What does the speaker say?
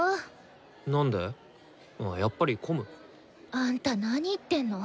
あんたなに言ってんの？